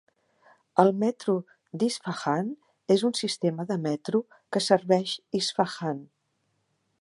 El metro d'Isfahan és un sistema de metro que serveix Isfahan.